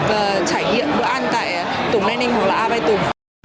và trải nghiệm bữa ăn tại tùng đai ninh hoặc là a bay tùng